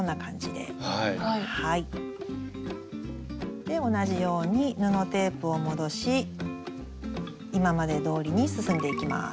で同じように布テープを戻し今までどおりに進んでいきます。